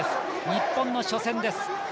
日本の初戦です。